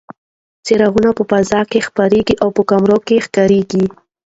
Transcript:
څراغونه په فضا کې خپرېږي او په کمرو کې ښکاري.